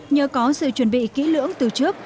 nhờ có sự chuẩn bị kỹ lưỡng từ trước